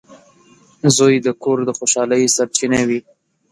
• زوی د کور د خوشحالۍ سرچینه وي.